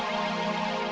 aku nggak mau